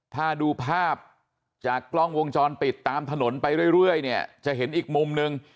ถ้าดูภาพจากกล้องวงจรปิดตามถนนไปเรื่อยเนี่ยจะเห็นอีกมุมนึง